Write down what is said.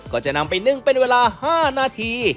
ก็จะนำไปนึ่งเป็นเวลา๕นาที